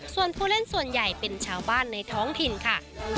ส่วนผู้เล่นส่วนใหญ่เป็นชาวบ้านในท้องถิ่นค่ะ